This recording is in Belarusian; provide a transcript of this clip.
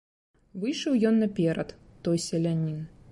Выйшаў ён наперад, той селянін.